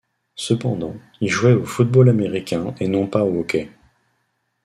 Cependant, il jouait au football américain et non pas au hockey.